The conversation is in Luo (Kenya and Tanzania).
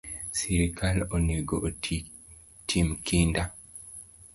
Sirkal onego otim kinda